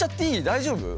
大丈夫？